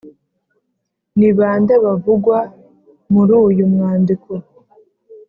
Ni bande bavugwa muri uyu mwandiko?